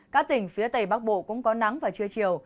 các tỉnh phía tây bắc bộ cũng có nắng vào trưa chiều